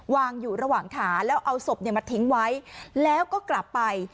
วางอยู่ระหว่างขาแล้วเอาศพมาทิ้งไว้แล้วก็กลับไป